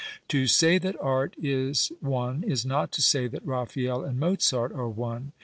To say that art is one is not to say tiuit Raphael and Mozart arc one.